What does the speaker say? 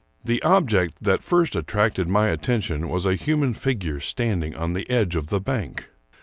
The object that first attracted my attention was a human figure standing on the edge of the bank.